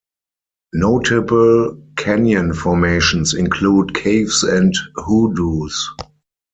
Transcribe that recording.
Notable canyon formations include caves and hoodoos.